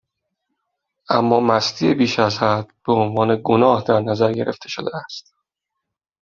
اما مستی بیشازحد، بهعنوان گناه در نظر گرفته شده است